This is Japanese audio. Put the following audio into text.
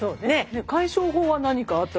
解消法は何かあったりする？